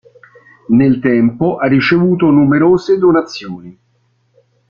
Nel tempo ha ricevuto numerose donazioni.